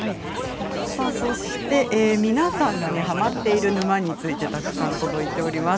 皆さんがハマっている沼についてたくさん届いております